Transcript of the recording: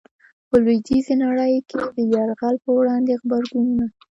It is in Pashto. په لويديځي نړۍ کي د يرغل په وړاندي غبرګونونه